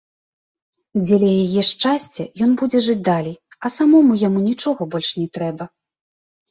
Дзеля яе шчасця ён будзе жыць далей, а самому яму нічога больш не трэба.